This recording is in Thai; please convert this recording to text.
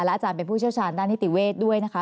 อาจารย์เป็นผู้เชี่ยวชาญด้านนิติเวทย์ด้วยนะคะ